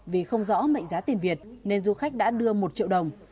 vì không rõ mệnh giá tiền việt nên du khách đã đưa một triệu đồng